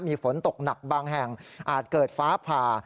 มีฝนตกหนักบางแห่งอาจเกิดฟ้าผ่า